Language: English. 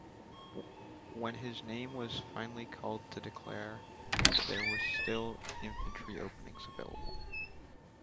When his name was finally called to declare, there were still infantry openings available.